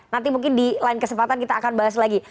nanti mungkin di lain kesempatan kita akan bahas lagi